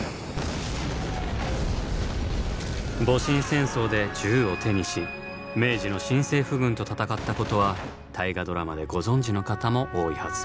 戊辰戦争で銃を手にし明治の新政府軍と戦ったことは「大河ドラマ」でご存じの方も多いはず。